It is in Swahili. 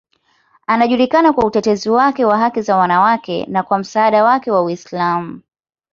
Anajulikana kwa utetezi wake wa haki za wanawake na kwa msaada wake wa Uislamu.